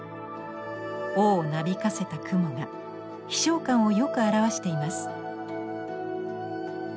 尾をなびかせた雲が飛しょう感をよく表しています。